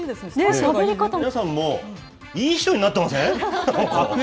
どの悪役の皆さんも、いい人になってません？